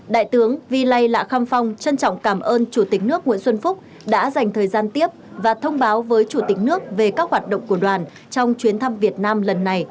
đại tướng vi lây lạ kham phong trân trọng cảm ơn chủ tịch nước nguyễn xuân phúc đã dành thời gian tiếp và thông báo với chủ tịch nước về các hoạt động của đoàn trong chuyến thăm việt nam lần này